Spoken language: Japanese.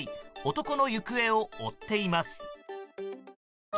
男の行方を追っています。